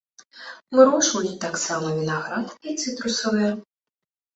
Вырошчваюць таксама вінаград і цытрусавыя.